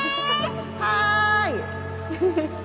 はい！